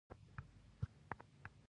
د حق لار تل آسانه نه وي، خو پایله خوږه وي.